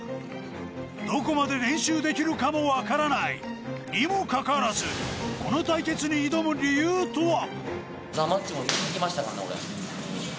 どこまで練習できるかも分からない、にもかかわらずこの対決に挑む理由とは？